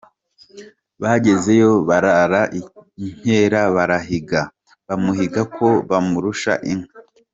Bagezeyo barara inkera barahiga; bamuhiga ko bamurusha inka.